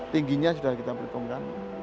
tingginya sudah kita perhitungkan